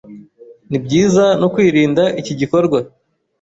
ni byiza no kwirinda iki gikorwa